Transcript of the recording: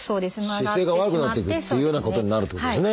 姿勢が悪くなってくるというようなことになるってことですね。